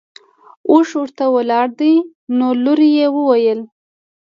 اوښ ورته ولاړ دی نو لور یې وویل.